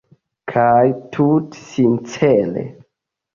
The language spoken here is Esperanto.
Kaj tute sincere.